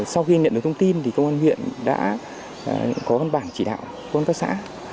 sau khi nhận được thông tin thì công an huyện đã có bản chỉ đạo của con phát xã